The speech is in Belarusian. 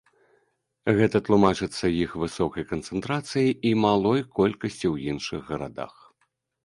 Гэта тлумачыцца іх высокай канцэнтрацыяй і малой колькасцю ў іншых гарадах.